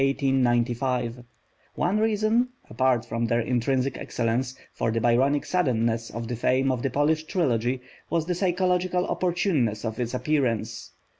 One reason apart from their intrinsic excellence for the Byronic suddenness of the fame of the Polish Trilogy, was the psychological opportuneness of its appearance.